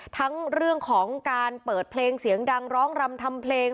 ทั้งเรื่องของการเปิดเพลงเสียงดังร้องรำทำเพลง